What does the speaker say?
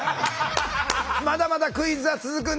まだまだクイズは続くんです。